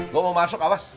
gua mau masuk awas